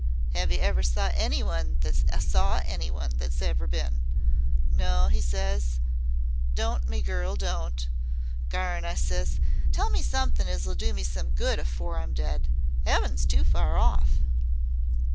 'Ave yer ever saw anyone that's saw anyone that's bin?' 'No,' 'e ses. 'Don't, me girl, don't!' 'Garn,' I ses; 'tell me somethin' as 'll do me some good afore I'm dead! 'Eaven's too far off.'"